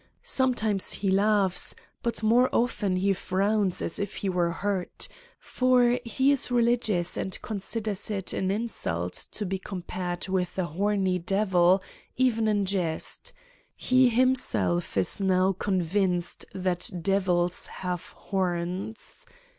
Sometimes he laughs but more of ten he frowns as if he were hurt, for he is re ligious and considers it an insult to be compared with a "horny" devil, even in jest: he himself is now convinced that devils have horns.